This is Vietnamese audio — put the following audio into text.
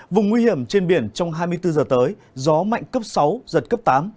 vùng nguy hiểm trên biển trong hai mươi bốn giờ tới gió mạnh cấp sáu giật cấp tám